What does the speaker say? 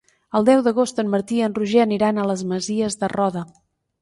El deu d'agost en Martí i en Roger aniran a les Masies de Roda.